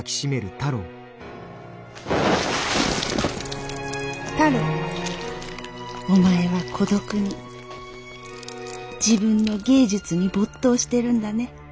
「太郎お前は孤独に自分の芸術に没頭してるんだね。